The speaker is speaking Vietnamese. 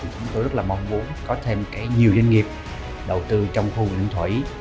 chúng tôi rất là mong muốn có thêm nhiều doanh nghiệp đầu tư trong khu lĩnh thuẩy